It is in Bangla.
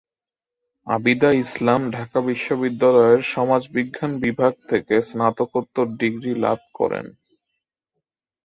আবিদা ইসলাম ঢাকা বিশ্ববিদ্যালয়ের সমাজবিজ্ঞান বিভাগ থেকে স্নাতকোত্তর ডিগ্রি লাভ করেন।